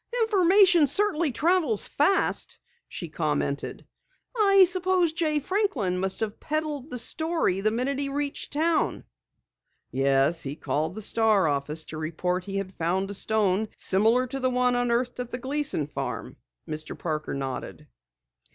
"Information certainly travels fast," she commented. "I suppose Jay Franklin must have peddled the story the minute he reached town." "Yes, he called at the Star office to report he had found a stone similar to the one unearthed at the Gleason farm," Mr. Parker nodded.